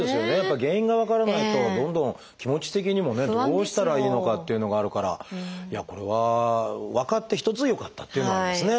原因が分からないとどんどん気持ち的にもねどうしたらいいのかっていうのがあるからこれは分かって一つよかったっていうようなことですね。